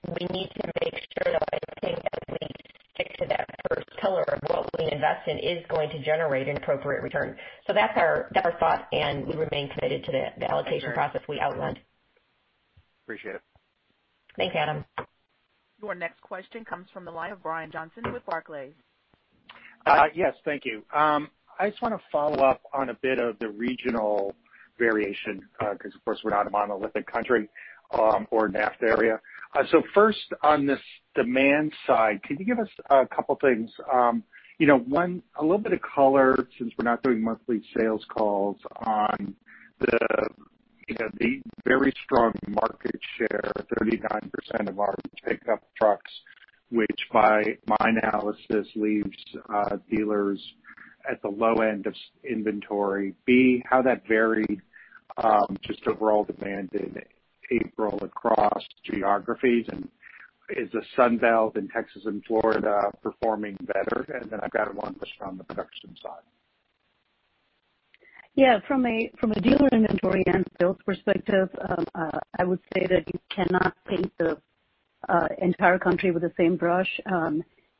we need to make sure that, I think, as we stick to that first pillar of what we invest in is going to generate an appropriate return. That's our thought, and we remain committed to the allocation process we outlined. Appreciate it. Thanks, Adam. Your next question comes from the line of Brian Johnson with Barclays. Yes. Thank you. I just want to follow up on a bit of the regional variation, because, of course, we're not a monolithic country, or NAFTA area. First on this demand side, can you give us a couple things? One, a little bit of color, since we're not doing monthly sales calls on the very strong market share, 39% of our pickup trucks, which by my analysis, leaves dealers at the low end of inventory. B, how that varied just overall demand in April across geographies, and is the Sun Belt in Texas and Florida performing better? Then I've got one just on the production side. From a dealer inventory and sales perspective, I would say that you cannot paint the entire country with the same brush.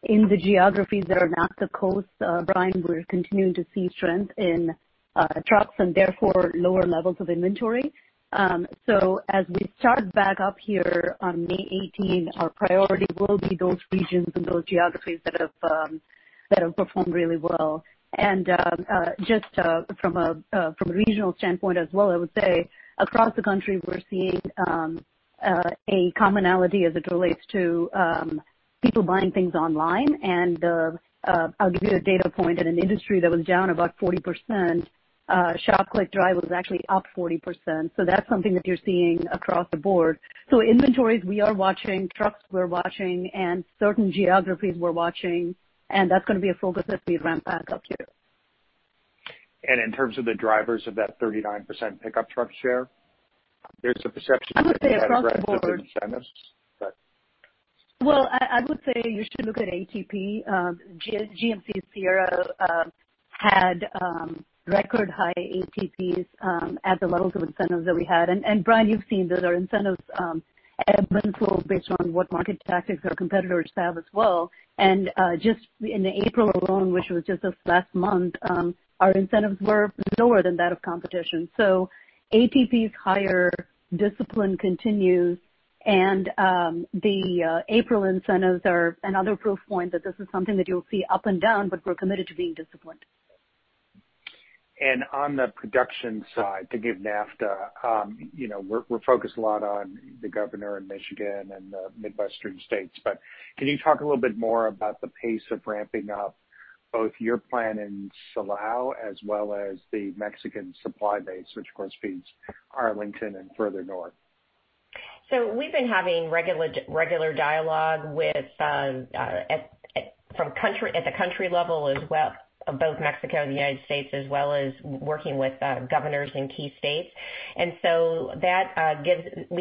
In the geographies that are not the coast, Brian, we're continuing to see strength in trucks, and therefore, lower levels of inventory. As we start back up here on May 18, our priority will be those regions and those geographies that have performed really well. Just from a regional standpoint as well, I would say, across the country, we're seeing a commonality as it relates to people buying things online. I'll give you a data point. In an industry that was down about 40%, Shop-Click-Drive was actually up 40%. That's something that you're seeing across the board. Inventories, we are watching. Trucks, we're watching. Certain geographies, we're watching. That's going to be a focus as we ramp back up here. In terms of the drivers of that 39% pickup truck share, there's a perception that you had aggressive incentives. Well, I would say you should look at ATP. GMC Sierra had record high ATPs at the levels of incentives that we had. Brian, you've seen that our incentives ebb and flow based on what market tactics our competitors have as well. Just in April alone, which was just this last month, our incentives were lower than that of competition. ATP's higher discipline continues, and the April incentives are another proof point that this is something that you'll see up and down, but we're committed to being disciplined. On the production side, to give NAFTA, we're focused a lot on the governor in Michigan and the Midwestern states. Can you talk a little bit more about the pace of ramping up both your plant in Silao, as well as the Mexican supply base, which, of course, feeds Arlington and further north? We've been having regular dialogue at the country level as well, both Mexico and the United States, as well as working with governors in key states. We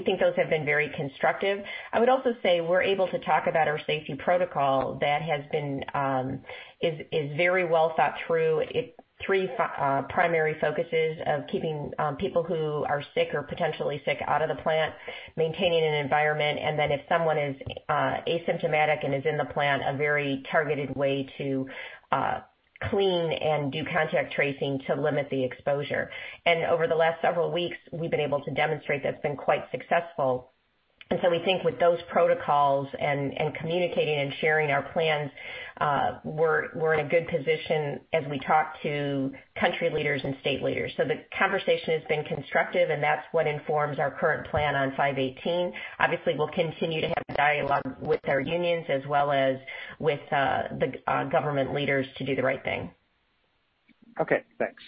think those have been very constructive. I would also say we're able to talk about our safety protocol that is very well thought through. Three primary focuses of keeping people who are sick or potentially sick out of the plant, maintaining an environment, and then if someone is asymptomatic and is in the plant, a very targeted way to clean and do contact tracing to limit the exposure. Over the last several weeks, we've been able to demonstrate that's been quite successful. We think with those protocols and communicating and sharing our plans, we're in a good position as we talk to country leaders and state leaders. The conversation has been constructive, and that's what informs our current plan on May 18. Obviously, we'll continue to have dialogue with our unions as well as with the government leaders to do the right thing. Okay, thanks.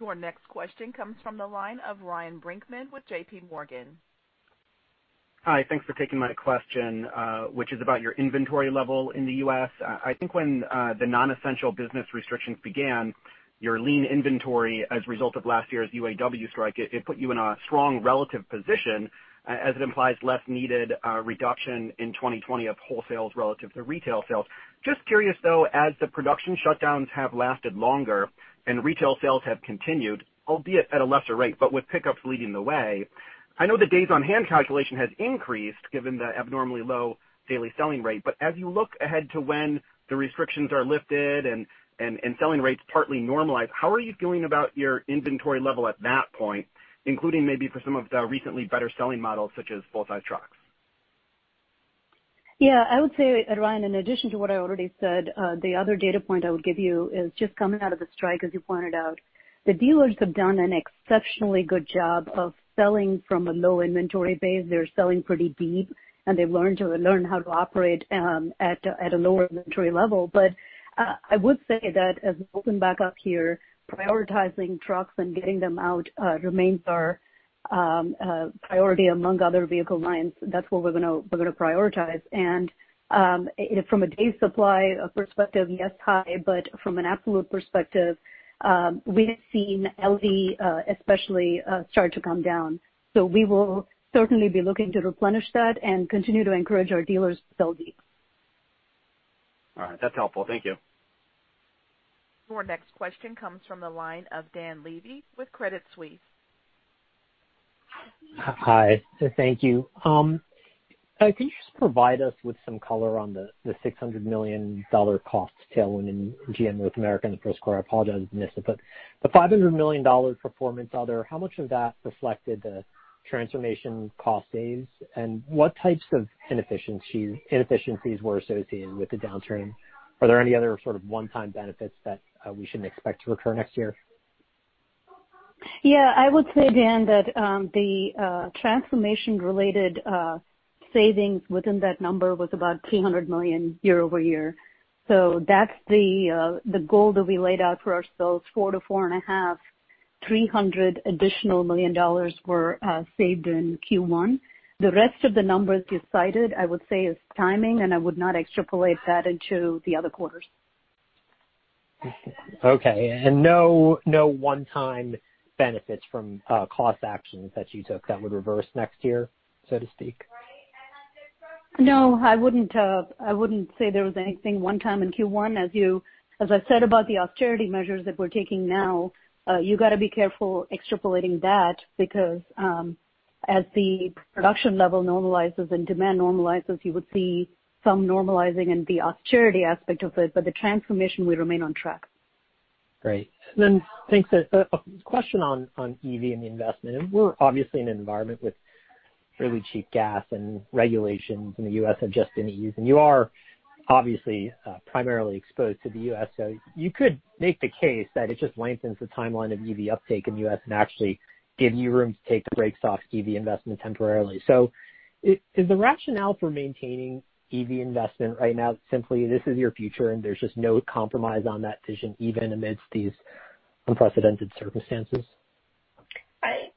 Your next question comes from the line of Ryan Brinkman with JPMorgan. Hi. Thanks for taking my question, which is about your inventory level in the U.S.. I think when the non-essential business restrictions began, your lean inventory as a result of last year's UAW strike, it put you in a strong relative position, as it implies less needed reduction in 2020 of wholesale sales relative to retail sales. Just curious, though, as the production shutdowns have lasted longer and retail sales have continued, albeit at a lesser rate, but with pickups leading the way, I know the days on hand calculation has increased given the abnormally low daily selling rate. As you look ahead to when the restrictions are lifted and selling rates partly normalize, how are you feeling about your inventory level at that point, including maybe for some of the recently better selling models, such as full-size trucks? Yeah, I would say, Ryan, in addition to what I already said, the other data point I would give you is just coming out of the strike, as you pointed out, the dealers have done an exceptionally good job of selling from a low inventory base. They're selling pretty deep, and they've learned how to operate at a lower inventory level. I would say that as we open back up here, prioritizing trucks and getting them out remains our priority among other vehicle lines. That's what we're going to prioritize. From a days supply perspective, yes, high, but from an absolute perspective, we have seen LD especially start to come down. We will certainly be looking to replenish that and continue to encourage our dealers to sell deep. All right. That's helpful. Thank you. Your next question comes from the line of Dan Levy with Credit Suisse. Hi. Thank you. Can you just provide us with some color on the $600 million cost tailwind in GM North America in the first quarter? I apologize if I missed it. The $500 million performance other, how much of that reflected the transformation cost saves, and what types of inefficiencies were associated with the downturn? Are there any other sort of one-time benefits that we shouldn't expect to recur next year? Yeah. I would say, Dan, that the transformation-related savings within that number was about $300 million year-over-year. That's the goal that we laid out for ourselves, $4 billion-$4.5 billion. Additional $300 million were saved in Q1. The rest of the numbers you cited, I would say is timing, and I would not extrapolate that into the other quarters. Okay. No one-time benefits from cost actions that you took that would reverse next year, so to speak? No, I wouldn't say there was anything one time in Q1. As I've said about the austerity measures that we're taking now, you've got to be careful extrapolating that, because as the production level normalizes and demand normalizes, you would see some normalizing in the austerity aspect of it, but the transformation will remain on track. Great. Thanks. A question on EV and the investment. We're obviously in an environment with really cheap gas, and regulations in the U.S. have just been eased, and you are obviously primarily exposed to the U.S. You could make the case that it just lengthens the timeline of EV uptake in the U.S. and actually give you room to take the brakes off EV investment temporarily. Is the rationale for maintaining EV investment right now simply this is your future and there's just no compromise on that vision, even amidst these unprecedented circumstances?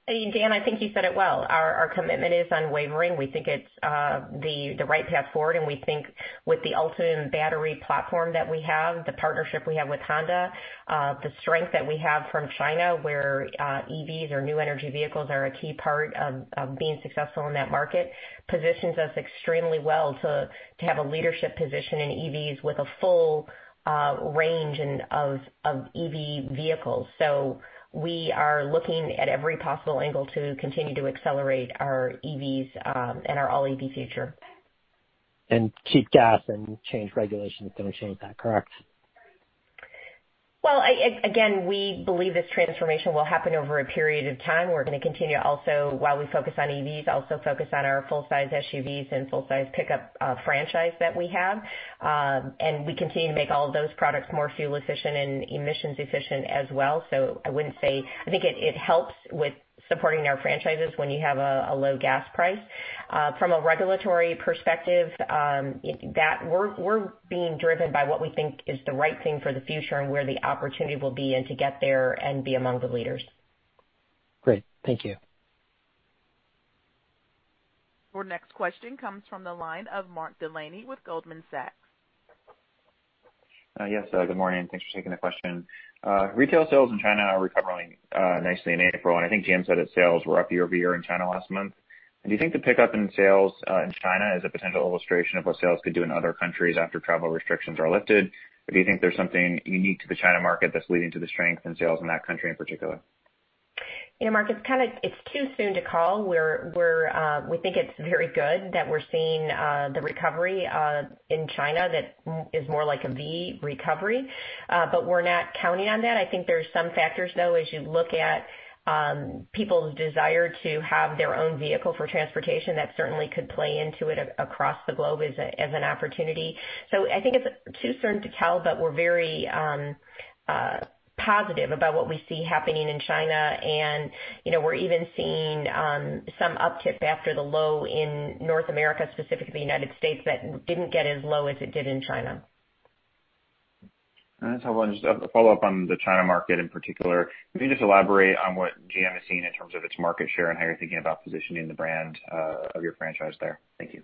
Dan, I think you said it well. Our commitment is unwavering. We think it's the right path forward, and we think with the Ultium battery platform that we have, the partnership we have with Honda, the strength that we have from China, where EVs or new energy vehicles are a key part of being successful in that market, positions us extremely well to have a leadership position in EVs with a full range of EV vehicles. We are looking at every possible angle to continue to accelerate our EVs, and our all-EV future. Cheap gas and changed regulation is going to change that, correct? Well, again, we believe this transformation will happen over a period of time. We're going to continue also, while we focus on EVs, also focus on our full-size SUVs and full-size pickup franchise that we have. We continue to make all of those products more fuel efficient and emissions efficient as well. I think it helps with supporting our franchises when you have a low gas price. From a regulatory perspective, we're being driven by what we think is the right thing for the future and where the opportunity will be, and to get there and be among the leaders. Great. Thank you. Your next question comes from the line of Mark Delaney with Goldman Sachs. Good morning. Thanks for taking the question. Retail sales in China are recovering nicely in April. I think GM said its sales were up year over year in China last month. Do you think the pickup in sales in China is a potential illustration of what sales could do in other countries after travel restrictions are lifted, or do you think there's something unique to the China market that's leading to the strength in sales in that country in particular? Mark, it's too soon to call. We think it's very good that we're seeing the recovery in China that is more like a V recovery. We're not counting on that. I think there are some factors, though, as you look at people's desire to have their own vehicle for transportation, that certainly could play into it across the globe as an opportunity. I think it's too soon to tell, but we're very positive about what we see happening in China, and we're even seeing some uptick after the low in North America, specifically the United States, that didn't get as low as it did in China. That's helpful. Just a follow-up on the China market in particular. Can you just elaborate on what GM is seeing in terms of its market share and how you're thinking about positioning the brand of your franchise there? Thank you.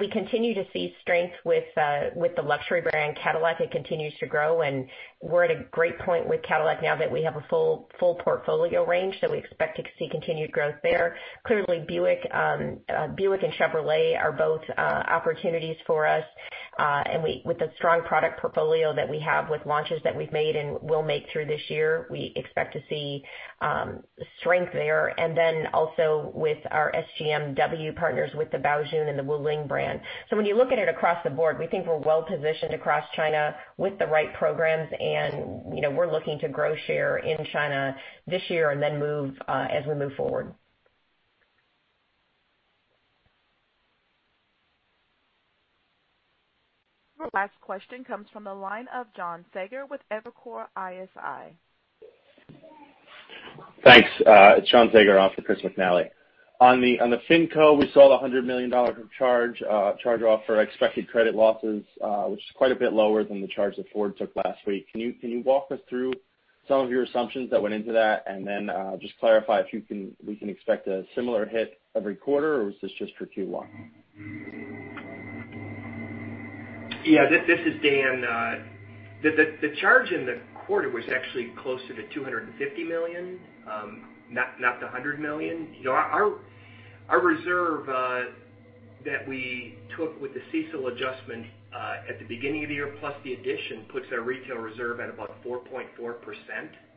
We continue to see strength with the luxury brand Cadillac. It continues to grow, and we're at a great point with Cadillac now that we have a full portfolio range, so we expect to see continued growth there. Clearly, Buick and Chevrolet are both opportunities for us. With the strong product portfolio that we have with launches that we've made and will make through this year, we expect to see strength there. Also with our SGMW partners with the Baojun and the Wuling brand. When you look at it across the board, we think we're well-positioned across China with the right programs, and we're looking to grow share in China this year and then as we move forward. Last question comes from the line of John Saager with Evercore ISI. Thanks. It's John Saager, off for Chris McNally. On the fin co, we saw the $100 million of charge-off for expected credit losses, which is quite a bit lower than the charge that Ford took last week. Can you walk us through some of your assumptions that went into that? Just clarify if we can expect a similar hit every quarter, or is this just for Q1? Yeah. This is Dan. The charge in the quarter was actually closer to $250 million, not the $100 million. Our reserve that we took with the CECL adjustment at the beginning of the year, plus the addition, puts our retail reserve at about 4.4%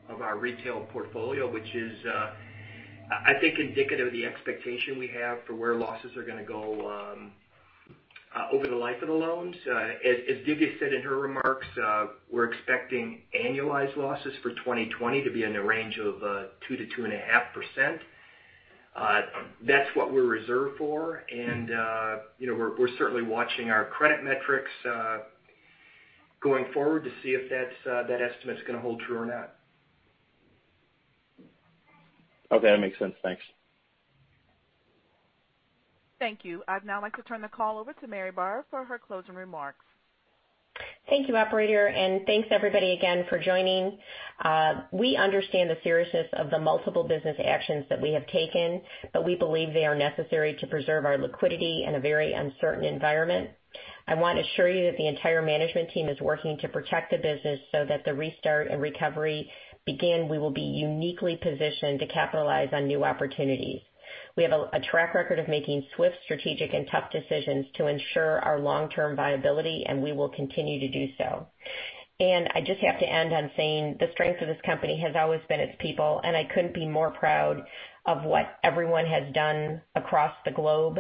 of our retail portfolio, which is I think indicative of the expectation we have for where losses are going to go over the life of the loans. As Dhivya said in her remarks, we're expecting annualized losses for 2020 to be in the range of 2%-2.5%. That's what we're reserved for, and we're certainly watching our credit metrics going forward to see if that estimate's going to hold true or not. Okay. That makes sense. Thanks. Thank you. I'd now like to turn the call over to Mary Barra for her closing remarks. Thank you, operator. Thanks everybody again for joining. We understand the seriousness of the multiple business actions that we have taken, but we believe they are necessary to preserve our liquidity in a very uncertain environment. I want to assure you that the entire management team is working to protect the business so that the restart and recovery begin, we will be uniquely positioned to capitalize on new opportunities. We have a track record of making swift, strategic, and tough decisions to ensure our long-term viability, and we will continue to do so. I just have to end on saying the strength of this company has always been its people, and I couldn't be more proud of what everyone has done across the globe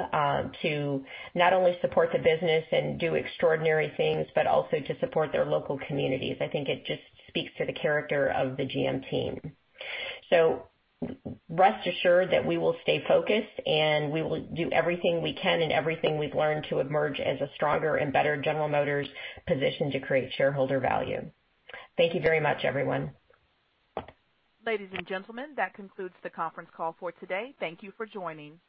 to not only support the business and do extraordinary things, but also to support their local communities. I think it just speaks to the character of the GM team. Rest assured that we will stay focused, and we will do everything we can and everything we've learned to emerge as a stronger and better General Motors positioned to create shareholder value. Thank you very much, everyone. Ladies and gentlemen, that concludes the conference call for today. Thank you for joining.